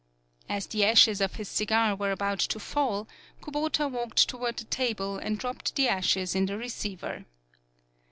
As the ashes of his cigar were about to fall, Kubota walked toward the table and dropped the ashes in the re ceiver.